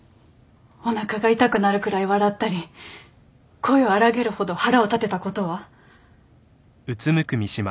おなかが痛くなるくらい笑ったり声を荒げるほど腹を立てたことは？